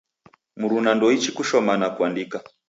Mruna ndouichi kushoma na kuandika